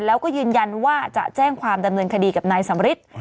แล้วก็ยืนยันว่าจะแจ้งความดำเนินคดีกับนายสำริท